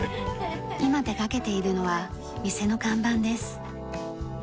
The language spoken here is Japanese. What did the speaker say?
今手掛けているのは店の看板です。